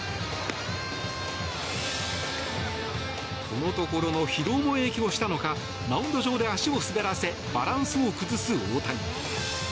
このところの疲労も影響したのかマウンド上で足を滑らせバランスを崩す大谷。